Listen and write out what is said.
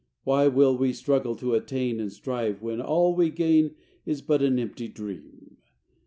XIX Why will we struggle to attain, and strive, When all we gain is but an empty dream?